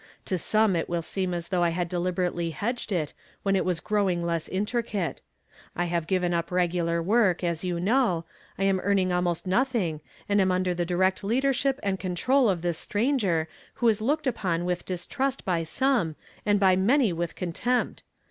To some it will seem as though I had deliberately hedged it, when it was growing less intricate. I have given up regu lar work, as you know ; I am earning almost noth ing, and I am under the direct leadei ship and control of this stranger, who is looked upon with distrust by some, and by many with contem})t.